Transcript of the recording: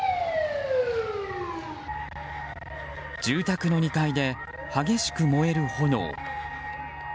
住宅の２階で激しく燃える炎。